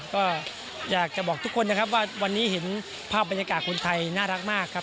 ก็อยากจะบอกทุกคนนะครับว่าวันนี้เห็นภาพบรรยากาศคนไทยน่ารักมากครับ